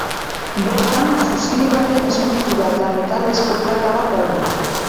Bertan, suziri baten eskultura eta metalezko plaka bat daude.